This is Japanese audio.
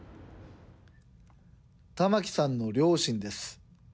タマキさんの両親です。